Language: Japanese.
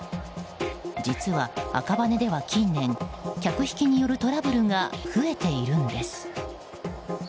実は赤羽では近年、客引きによるトラブルが増えているんです。